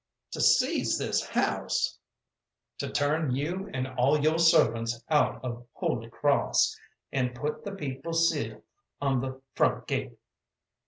"To seize this house!" "To turn you and all yo' servants out of Holy Crawss, and put the People's seal on the front gate."